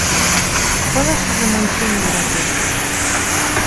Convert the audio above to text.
Пылышыжым ончен йӧратет.